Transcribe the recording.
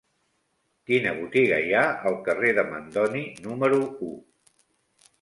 Quina botiga hi ha al carrer de Mandoni número u?